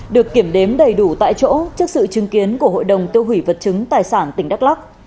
được kiểm đếm đầy đủ tại chỗ trước sự chứng kiến của hội đồng tiêu hủy vật chứng tài sản tỉnh đắk lắc